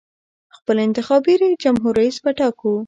خپل انتخابي جمهور رییس به ټاکو.